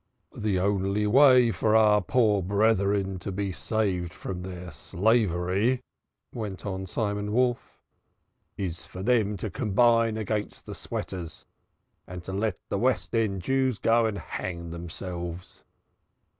"The only way for our poor brethren to be saved from their slavery," went on Simon Wolf, "is for them to combine against the sweaters and to let the West End Jews go and hang themselves."